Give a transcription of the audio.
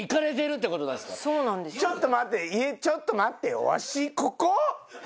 ちょっと待ってちょっと待ってよわし。